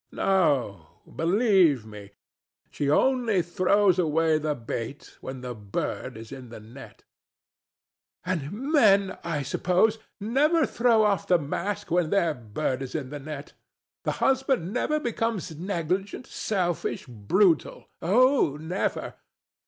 No: believe me, she only throws away the bait when the bird is in the net. ANA. [bitterly] And men, I suppose, never throw off the mask when their bird is in the net. The husband never becomes negligent, selfish, brutal oh never!